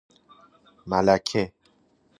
ملکه